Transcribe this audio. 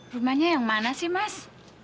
rumahnya yang mana sih mas